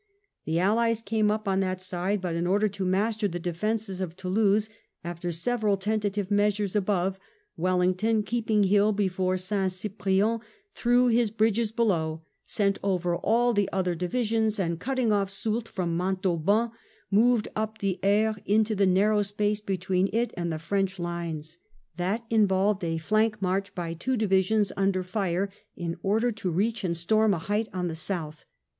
The Allies came up on that side, but in order to master the defences of Toulouse, after several tentative measures above, Wellington, keeping Hill before St. Cyprien, threw his bridges below, sent over all the other divisions, and cutting off Soult from Montauban, moved up the Ers into the narrow space between it and the French lines. That involved a flank march by two divisions under fire, in order to reach and storm a height on the south.